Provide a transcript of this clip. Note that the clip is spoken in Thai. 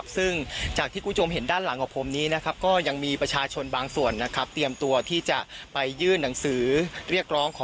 ซึ่งจากที่คุณผู้ชมเห็นด้านหลังของผมนี้